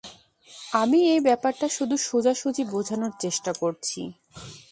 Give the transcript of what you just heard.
আমি এই ব্যাপারটা শুধু সোজাসুজি বোঝানোর চেষ্টা করছি।